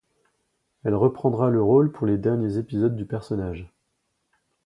Elle reprendra le rôle pour les derniers épisodes du personnage.